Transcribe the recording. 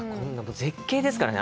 絶景ですからね。